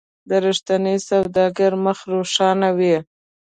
د رښتیني سوداګر مخ روښانه وي.